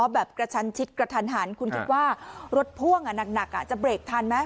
แบบกระชันชิดกระทันหันคุณคิดว่ารถพ่วงหนักจะเบรกทันไหม